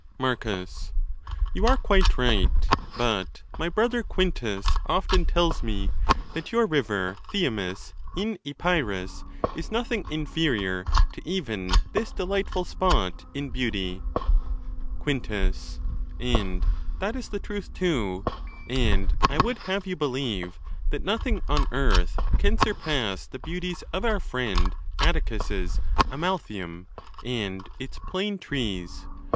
Marcus.—You are quite right; but my brother Quintus often tells me that your river Thyamis in Epirus is nothing inferior to even this delightful spot in beauty. Quintus.—And that is the truth, too; and I would have you believe that nothing on earth can surpass the beauties of our friend Atticus's Amaltheum, and its plane trees.